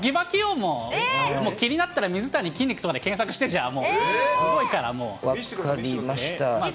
もう気になったら水谷、筋肉とかで検索して、もうじゃあ、すごい分かりました。